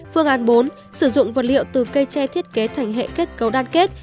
phương án bốn sử dụng vật liệu từ cây tre thiết kế thành hệ kết cấu đan kết